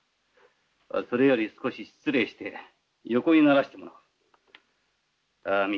それより少し失礼して横にならしてもらおう。